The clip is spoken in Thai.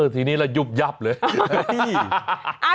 ที่นี่เรายุบยับเลย